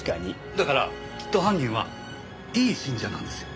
だからきっと犯人はいい信者なんですよ。